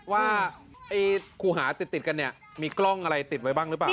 ว่าครูหาติดกันเนี่ยมีกล้องอะไรติดไว้บ้างหรือเปล่า